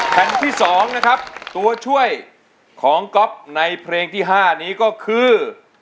แผ่นที่๒นะครับตัวช่วยของก๊อฟในเพลงที่๕นี้ก็คือ